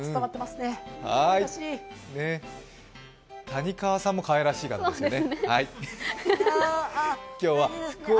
谷川さんも、かわいらしいですね。